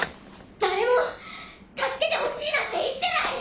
誰も助けてほしいなんて言ってない！